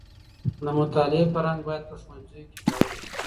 د مطالعې فرهنګ بايد په ښوونځيو کي پياوړی سي.